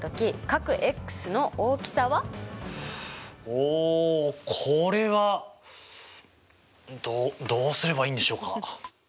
おこれはどうすればいいんでしょうか？